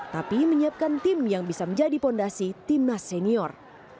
tapi menyiapkan tim yang bisa menjadi fondasi timnas senior